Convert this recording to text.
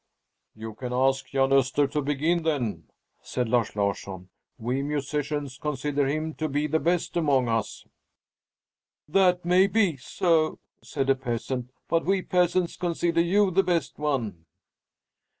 "You can ask Jan Öster to begin, then," said Lars Larsson. "We musicians consider him to be the best among us." "That may be so," said a peasant, "but we peasants consider you the best one."